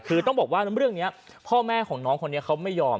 คือต้องบอกว่าเรื่องนี้พ่อแม่ของน้องคนนี้เขาไม่ยอม